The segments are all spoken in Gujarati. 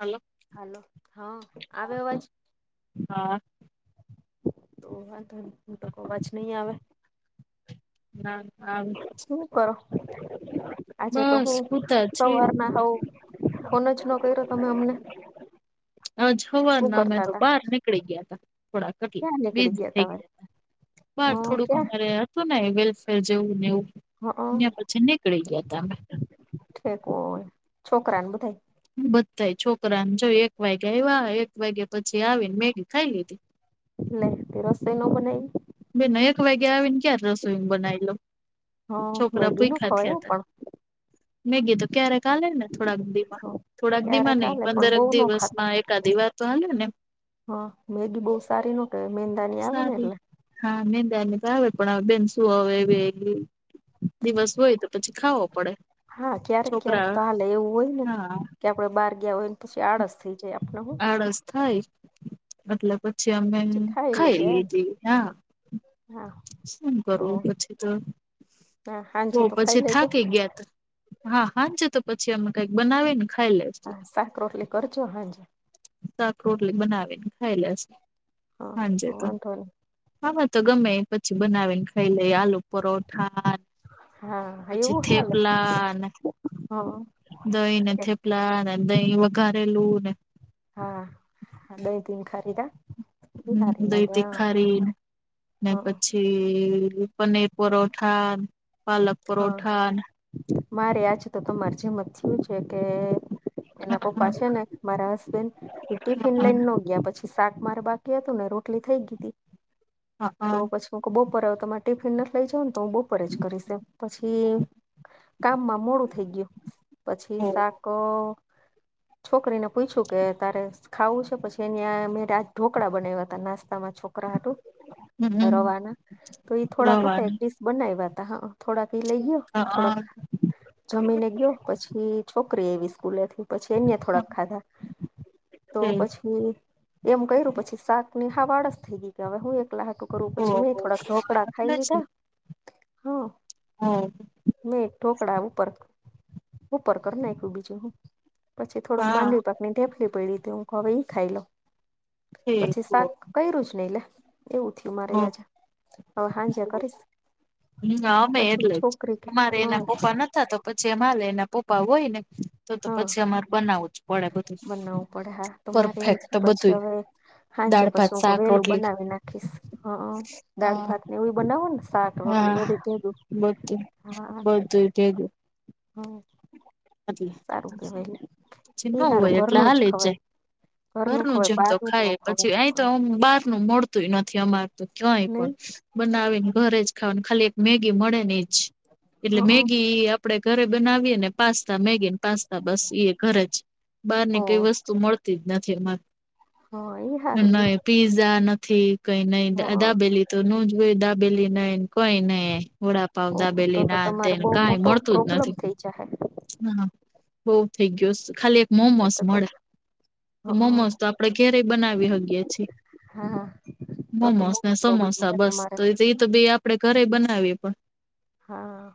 હલો હાલો હા આવે અવાજ. હા તો વા તો લોકો અવાજ નહી આવે ના હ. [unintelligible] હું કરો. આજે તો બસ હું સુતા છીએ સવાર ના હ ફોન જ ન કર્યો તમે અમને. આજ શું હવાના મેમે કરતા તો તા બહાર નીકળી ગયા તા. થોડાકટ ક્યાં નીકળી બિઝી થઈ તમારે ગયા બાર હા થોડુંક ક્યાં અમારે. વેલફેર જેવું ને હ એવું પછી નીકળી ગયાતા અમે. ઠેકો છોકરાને બધાય હ બધા છોકરાને જોય એક વાગે આવ્યા એક વાગ્યા પછી આવીને મેગી ખાઈ લીધી. લે તે રસોઈ ન બનાઈ? બેન એક વાગ્યા આવી ને ક્યારે રસોઈ બનાવી લોવ. હા છોકરા મેગી ન ભૂખા ખવાય થયા હો હતા. પણ મેગી તો ક્યારેક હાલે ને થોડાક દીમાં હ થોડાક દીમા ક્યારેક નઈ આલે પણ બહુ પંદરક ન ખાતા દિવસમાં? કાદી વાર તો આલેને? હા મેગી બહુ સારી નો કેવાય મેંદા ની આવે ને સારી એટલે. હા મેંદાની તો આવે પણ બેન શું હવે એવી? દિવસ હોય તો પછી ખાવો પડે. હા ક્યારેક ક્યારેક છોકરા તો હાલે એવું હોય ને હા કે આપડે બહાર ગયા હોય ને પછી આળસ થઈ જાય આપણ હુ આળસ થાય એટલે પછી અમે પછી ખાઈ લઈએ એમ લીધી હા હા શું ઓ કરવું પછી તો? હા હો હાંજે તો ખાઈ પછી લેજો થા કે ગયાતા. હા હાજે તો પછી અમે કઈક બનાવીને ખાઈ લેજું. સાક રોટલી કરજો હાજે. સાક રોટલી બનાવીને ખાઈ લેશુ હા હાજે તો. વાંધો નહી હાવે તો ગમે પછી બનાવીને ખાઈ લઈ આલુ પરોઠા હા પછી એવું હાલે થેપલા અને હા દહી ને છે થેપલા લા ને દહીં વઘારે લુંને. હા હ બે દિન ખરીદા? હમ દહી તીખારી ને હા પછી-' પનીર પરોઠા, પાલક હા પરોઠા મારેય આજે તો ત માર જીમ થયું છે કે.? એના પપ્પા છે ને, મારા હસબેન્ડ ટિફિન લઈન નો ગયા પછી, મારે બાકી હતું ને રોટલી થઈ ગી હતી તો પછી હું બપોરે હવ તમારે ટિફિન નથી લઇ જાવ ને તો હું બપોરે જ કરીશ એમ. પછી કામમાં મોડું થઈ ગયું પછી સાક છોકરીને પૂછું કે તારે ખાવું છે? પછી એની મેં ઢોકળા બનાવ્યા હતા, નાસ્તામાં છોકરા છોકરા હાટું હમ રવાના તો એ થોડાક હતા એક રવાની ડીશ બનાવ્યા હતા હં. થોડાક એ લઈ ગયો, થોડાક હા જમીને ગયો, પછી છોકરી એવી સ્કૂલેથી પછી એને થોડાક ખાધા, તો પછી એમ કર્યું પછી શાક ની હાવ આળસ થઈ ગઈ કે હવે હું એક એકલા હાટું કરવું પછી મેં હો થોડાક ઢોકળા એટલે ખાઈ લીધા હં હા મે ઠોકળા પર હું પર નાખું બીજું હું? પછી થોડોક હા માંડવી પાકની ઢેફલી પડી હતી હું હવે ઈ ખાઈ લો પછી શાક કર્યું જ નહી લે એવું થયુ, મારે આજે હવે હાંજ્યા કરીશ હમ અમે પછી એટલે જ છોકરી કે અમારે હા એના પપ્પા નતા તો પછી અમારે એના પપ્પા હોય ને તો તો હા પછી અમારે બનાવું જ પડે બધું બનાવવું પડે હા પરફેક્ટ બધું હાજે દાળ ભાત પછી હું શાક વેલું રોટલી બનાવી નાખીશ હ દાળ હા ભાત ને એવુ બનાવો ને શાક રોટલી બધી ભેધું? હા હંધુય ભેગુ તો- - હમ. સારું કેવાય લે પછી નવ ઈ હારું હોય એટલે ઘરનું હાલી જ ખવાય જાય ઘરનું ખવાય જેમ તો બારનું ખાય ન ખવાય પછી અ તો બહાર નું મળતું- - નથી અમાર તો ક્યાંય પણ નહી બનાવીને ઘરે જ ખાવા ખાલી એક મેગી મળે- - એટલે હઅ મેગી આપણેે ઘરે બનાવીએ ને- - પાસ્તા મેગીન પાસ્તા બસ ઘરે જ બહાર ને ઓ કઈ વસ્તુ મળતી જ નથી અમારે. હ એ હારું લ્યો. નહી પીઝા નથી કઈ નઈ હઅ દાબેલી તો ન જય દાબેલી નઈ કોઈ નઈ. વોડાપાવ ઓહો તો દાબેલી ના તેને કઈ મળતું જ નથી. ચાય. હા બો થઇ ગયો ખાલી એક એટલે મોમોસ તો કઉ મળે. તો હઅ મોમોઝ તો આપણે ઘેરે બનાવી હકીએ છીએ. હા તો તો મોમોસ ને મોટો પ્રોબ્લેમ રે સમોસા બસ તમારે તો એ તો બે આપડે ઘરે બનાવીએ પણ. હા.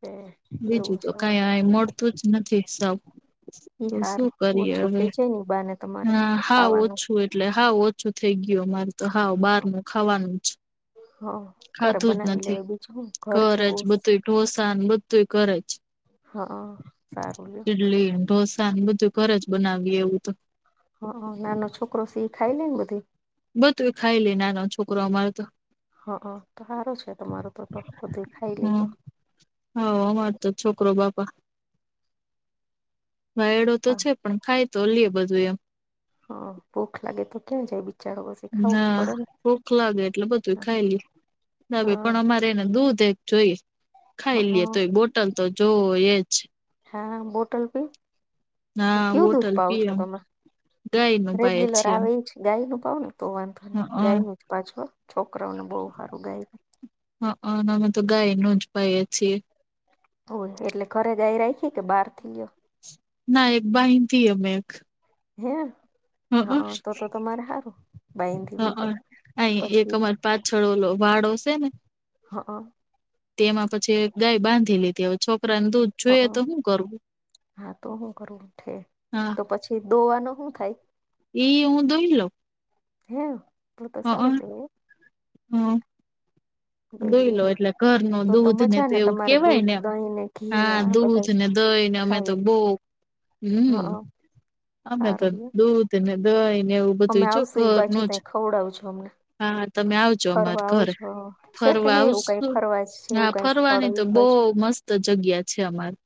હા. બીજું તો કઈ આ મળતું જ નથી સ. ઈ તો શું હારું કરીએ ઓછું થઇ હવે જાય ને બાને તમારે હા હા ખાવાનું ઓછું એટલે હા- ઓછું થઈ ગયયો મારે તો હા બહાર ન ખાવાનું જ. હા ઘરે ખાતું જ બનાવી નથી લેવાય બીજું હું ઘર જ જેવું બધું ઢોસા બધું ઘર જ. હા. સારું લ્યો ઈડલી ઢોસા બધું ઘર જ બનાવીએ એવું તો. હ ના ના છોકરો સી ખાઈ લ ને બધી? બધું એ ખાઈ લે નાનો છોકરો અમારો તો. હા હ તો સારું છે તમારું તો તો બધું ખાઈ લે તો. હા અમાર તો છોકરો બાપા વાાયડો તો હા છે પણ ખાય તો લ બધું એમ. હ ભોખ લાગે તો કે્યાં જાય વિચાર બસ. ના ભૂખ લાગે એટલે બધું ખાયલી દવે હા પણ અમારે ને દૂધ એક જોઈ ખાઈ લઈએ હા તો બોટલ તો જો એ જ. હા બોટલ ભી ના કેવું દૂધ બોટલ પાવ પીએ છો એમ. તમે? ગાય નું પાય રેડ્યુલર છીએ એમ આવે એ. ગાય નું ભાવ ને તો વાંધો નને ગાય હ નું જ પાછો છોકરાઓને બહુ સારું ગાય. હા અમે તો ગાય ન જ ભાઈએ છીએ. હો એટલે ઘરે ગાય રાખીયે કે બહાર થી ગયો. ના એક બાહથી અમેં એક. હે હ હા તો તો તમારે સારું બાઈનથી હ બ તો અહી એક પછી? અમાર પાછળ ઓલો વાાડોશે ને હા. તેમાં પછી ગાય બાંધી લીધી હવે છોકરાને દૂધ હ જોઈએ તો હું કરવું હા તો હું કરું ઉઠે હા તો પછી દોવાનું શું થાય? એઈ હું દોહી લ. હે તો તો હા સારું હ કેવાય હા. દોઈ લ્યો લો તો તો એટલે ઘર ન તો દૂધ ને મજા તો એવું તમારે કેવાય દૂધ ને એમ દહીં ને ઘી ને હા આ દૂધ. બધા જેને દઈને અમે તો ખાય બોક હમ. હા આમ તો સારું દૂધ ને દહીને- - અમે આવશું એ બાછુ ત્યા ખવડાવજું અમને? હાા તમે આવજો અમારે ફરવા આવું ઘરે છો છે કે ફરવા નહી એવું કઈ આવશું ફરવા જેવું હા કઈ સ્થળ ફરવાની તો એવું બહ બાજુ મસ્ત. જગ્યા છે અમારે.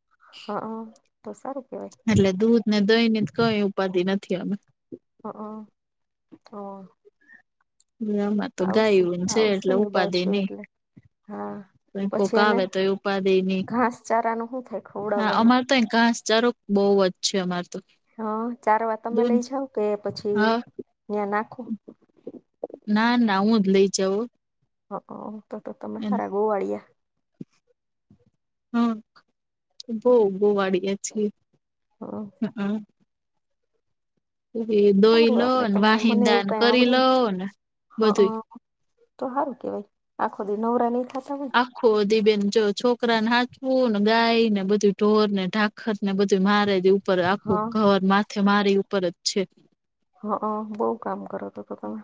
હા! તો સારું. કેવાય એટલે દૂધ ને, દહી ની જ કઈ ઉપાધિ નથી અમે. હા! તો. ગમાં તો ગાય છે. એટલે આવશું ને એ ઉપાધિ બાજુ નહી. એટલે હા તો પછી કોકા એને આવે તો એ ઉપાધિ ની. ઘાસ ચારાનું શું થાય હા ખવડાવવાનું અમારે તો. ઘાસચારો બહુ વધ છે અમાર તો. હા ચાર વાર તમે દૂધ લઈ જાાવ. કે પછી હા ત્યાં નાખો. ના ના. હું જ લઈ જઉ. હ તો તો તમે સાર ગોવાળિયા. હા બહ બહુ વાડીએ છીએ. હા! હા! [inaudible] સારું આપડે ને તમને. મને વાહિંદા એવું ને કઈ કરી લો આવડેને ને હ. બધુંય તો સારું કેવાય. આખો દી નવરા નહી થતા હોય. આખો દી બેેન જો છોકરાને હાચવું ને, ગાય ને, બધું ઢોર ને, ઢાખર ને બધું મારે દું. ઉપર આખું હા ઘર માથે મારી ઉપર જ છે. હા! બહુ કામ કરોતો હતો તમે.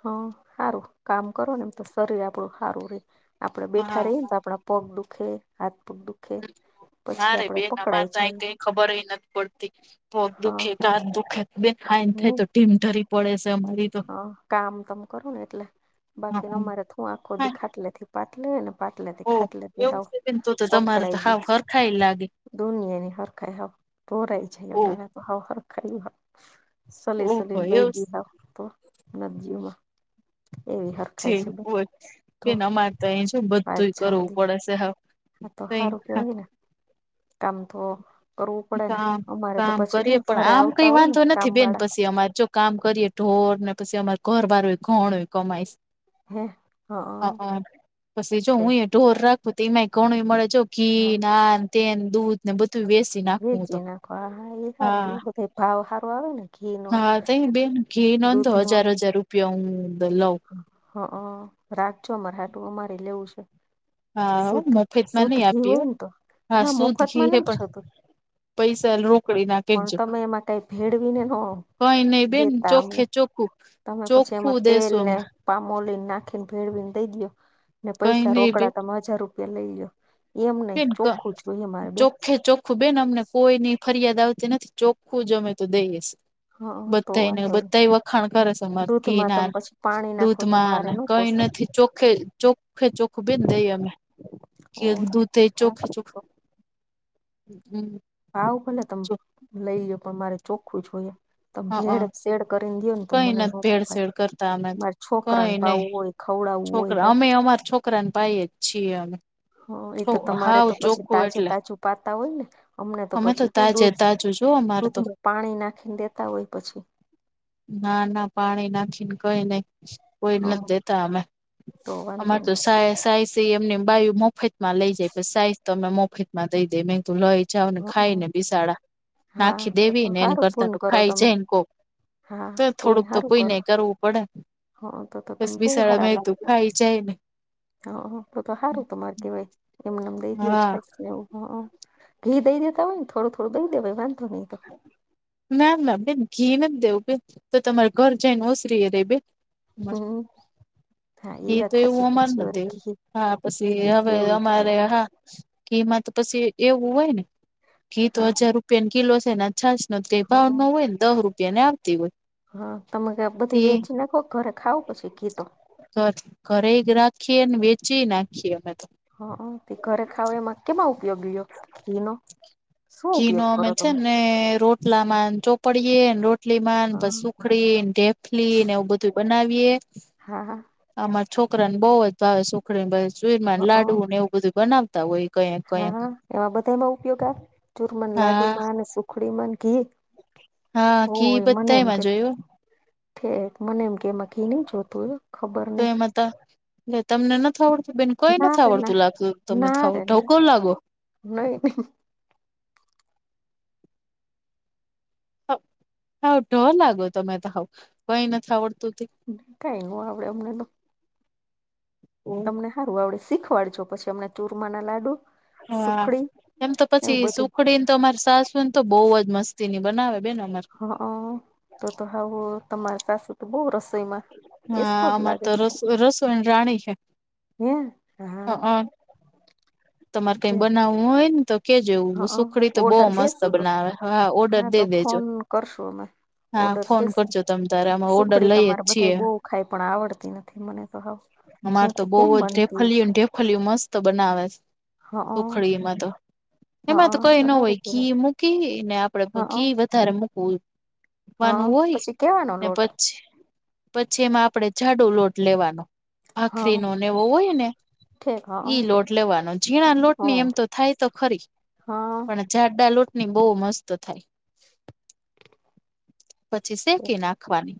હા! સારું કામ કરો ને, એમ તો શરીર આપડું સારું રહે. આપડે બેઠા હા રહીએને તો આપડા. પગ દુખે. હાથ પગ દુખે. પછી મારે આપડે બેન અમારે પકડાાય તો આય જાય. કઈ ખબર નથી પડતી. તો દુખે ક દુખે બે ખ થઈ નહી તો. ટીમ ઠરી પડે છે અમારી. તો હા કામ તમ કરો ને એટલે. બાકી ન હા અમારે તું આખો દીખાટલે થી પાટ લ ને. પાટલે તે, ઓ ખાટલે તે એવું હવ છે બેન તો તો તમારે તો પકડાાય ગ. હાવ હરખાય લાગે દોનિયાની હરખાય હ. પોરાય છે ઓ અટાળ. હ હ ખાઈું હ ચલી ઓહો ચલીને એવું વૈગી હ. નજીઓમાં એવી હ. છે હોય કે, અમારે તો અહી જો બધું કરવું પડેશે હ. હા! તો સારું કેવાય ને. કામ તો. કરવું પડે ને કામ અમારે તો કામ પછી કરીએ. હું પણ ઘરે આમ આવતા કઈ હોય ને વાંધો કામ નથી. બેન વાળા પછી અમારે ચ કામ કરીએ ઢોર ને. પછી અમાર ઘર બાર હોય ઘઉણ હોય કમાઈશ. હે હા અ પછી જો છે હું એ. ઢોર રાખવો તો એમાંય ઘણું એ મળે જો ઘી હા નાન તેને દૂધ ને બધું વસી નાખ. ચીના ખ એ સારું લેવુંધ ભાવ સારું આવે ને. ઘી નો હા! ત બેન ઘી નંધો દૂધ નો હજાર હજાર રૂપિયા હ લવ. હ રાખજો અમારે આટું અમારે લેવું છે. હા સુદ્ધ શ મફતમાં સુદ્ધ નહી ઘી આપીએ હો હોય ને. તો હા ના શુદ્ધ મોફત ઘી માં હે નથી પણ છો તું. પૈસા રોકડી નાખ. પણ તમે એમાં કઈ ભેળવી ને ન. કઈ નઈ બેન દેતા અમને ચોખ્ખે ચોખ્ખું તમે પછી એમાં ચોખ્ખું તેલ દેશું ને. અમે પામોલીને નાખીને ભેળવીને દઈ ગયો ને કઈ પૈસા નઈ બે રોકડા તમે હજાર રૂપિયા લઈ ગયો. એમ નહ ચોખ્ખું જ જોઈએ મારે બેન. ે ચોખ્ખું બેન. અમને કોઈની ફરિયાદ આવતી નથી. ચોખ્ખું જમે તો દઈશ. હા તો બધાને વાંધો નહી બધા વખાણ કરે છેર. દૂધમાં તમે ઘીનાર પછી પાણી નાખો તો દૂધમાં મારે ન કઈ પોસાય નથી ચોખ ચખે ચોખે ચોખ બે દ અમે. કે દૂધ ચોખ. સુખ હમ. આવાવું ભલે. તમ લઈ જ પણ મારે ચોખ્ખું જોઈએ. તો ભેડ શેડ કરીને દયો ને. તો કઈ મને નથી નહોતું ભાઈ ભેળસેળ કરતા અમે તો મારે કઈ છોકરાને નઈ પાવું હોય. ખવડાવવું હોય ભાઈ. ક રનપાઈ એચી એ. હ એ તો તમારે તો પછી તાજે એટલે તાજું પાતા હોય ને અમને તો અમે પછી હ તાજે દૂધ તાજું જો અમા [unintelligible] દૂધમાં પાણી નાખીને દેતા હોય પછી ના ના પાણી નાખીને કઈ નઈ કોઈ હા નથી દેતા અમે તો વાંધો અમાર તો નહી સા સાઈ સિ એમની બાયુ મોફે માં લઈ જાય પ સાઈઝ તમે મોફેત માં દઈ દે મે તોું લઈ ચાવને હ ખાઈ ને બિસાડા હા નાખી તો દેવી ને એને સારું કરતા પૂન કરો તમે કો હા તો પૂન થોડુંક તો સારું કોઈ નને કરો કરવું પડે હ તો તો બસ તમે બહુ હારા બિસાાળમાં લાગ દું ખાઈ જાયને. હા તો સારું તમારે કેવાય એમનેમ દઈ દયો હા છે ને એવુ હ ઘી દઈ દેતા હોય, ને થોડુ થોડુ બઈ દેવા ભય વાંધો નહી, તો નામ નામ બે ઘી નથી જ દેવું બે તો તમારે ઘર જઈને ઓસરીય રે બે હમ્મ એ તો એવું અમાર નથી ઘી હા, ઘી પછી દૂધ હવે એવું અમારે થાય હા ઘીમાં તો પછી એવું હોય, ને ઘી તો હા હજાર રૂપિયાની કિલો છેને. છાસ નો ક ભાવ હા નો હોય, ને દહ રૂપિયા ને આવતી હોય. હા તમે બધી તે વેચી નાખો ઘરે ખાવું પછી ગીતો. તો ઘરે જ રાખીએને વેચી નાખીએ અમે તો હ તે ઘરે ખાવ એમાં કેમાં ઉપયોગ લ્યો ઘી નો ઘી ન અમે છેને, રોટલામાં ચોપડીએેને રોટલીમાં પ હા કડીને ફલી ને એવું બધું બનાવીએ હા હા આમારા છોકરાને બહવ જ ભાવે સુખડીને જુઈર લાડુ હા ને એવું બધું બનાવતા હોય. કઈક કઈક. હા એમાં બધા એમાં ઉપયોગ આવે ચુરમાંન લાડુ હા માં અને સુખડી ઘી હા ઘી હોય મને બધતા એમ કે એમાં જોયુ. મને એમ કેમાં કી ન જોતુ તો એમાં હતા એટ તમને ન થ આવડતું બેન કઈ ના નથી રે ના આવડતું લાગતું તમે ના ખાવો રે ના ઢવકો લાગો. નહી નહી હા ઢ લાગો તમે તો હ કઈ નથી આવડતુ કઈ હ આપડે અમને તો તમને સારું આવડે શીખવાડજો પછી અમને ચૂરમા ના લાડુ હા સુખડી એમ તો એવું પછી બધું સુખડી તો અમાર સાસુ ને તો બહુ જ મસ્તી ની બનાવે બેન અમાર હા તો તો આવું તમારે પાસું તો બહ રસોઈમા હા અમારે તો રસ રસોન રાણી છે. હે હા તમારે કઈ ઠીક બનાવવું હોય, ને તો કેજવુ હા સુખડી, તો બહ ઓર્ડર મસ્ત દેસું તો બનાવે હા ઓર્ડર દે તો દેજો ફોન કરશું અમે હા ઓર્ડર ફોન દેસું કરજો તમે તારે અમે ઓર્ડર સુખડી લઈએ જ તમારે બધા છીએ. બહુ ખાય પણ આવડતી નથી મને તો હાવ હું અમાર તો કવ બહવ કેમ જ બનતી રેફલય ને રેફલિયું મસ્ત બનાવે છે. હ સુખડીમાં તો એમાં તો કઈ ન સારું હોય કેવાય ઘી મૂકી ને આપડે હા ઘી ધર્મ હા પૂવાનું હોય, પછી કેવાનો ને લોટ પછી પછી એમાં આપડે જાડો, લોટ લેવાનો હા ભખરીનોને એવો હોય, ને ઠેક હા ઈ લોટ લેવાનો છે. ઝીણા લોટની હા એમ તો થાય તો ખરી હા પણ જાડા લોટની બહુ મસ્ત થાય. [inaudible] પછી શેંકી નાખવાની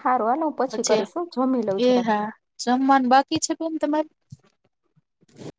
સારું હાલ હું પછી પછ કરીશ હો, જમી લઉં એ જરાક હા જમવાન બાકી છે, કે એમ તમારે [inaudible]